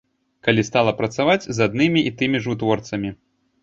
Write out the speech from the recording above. Калі стала працаваць з аднымі і тымі ж вытворцамі.